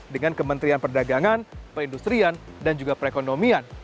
dengan kementerian perdagangan perindustrian dan juga perekonomian